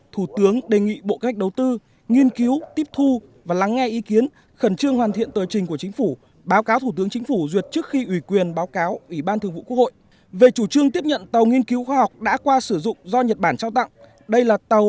thủ tướng đề nghị bộ chính phủ đề xuất